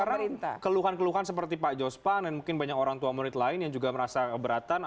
karena keluhan keluhan seperti pak jospan dan mungkin banyak orang tua murid lain yang juga merasa keberatan